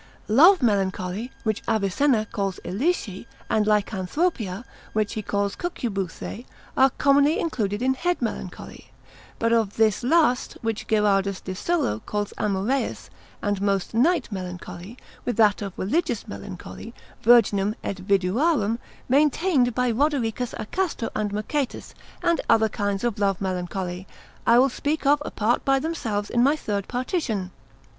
Love melancholy, which Avicenna calls ilishi: and Lycanthropia, which he calls cucubuthe, are commonly included in head melancholy; but of this last, which Gerardus de Solo calls amoreus, and most knight melancholy, with that of religious melancholy, virginum et viduarum, maintained by Rod. a Castro and Mercatus, and the other kinds of love melancholy, I will speak of apart by themselves in my third partition.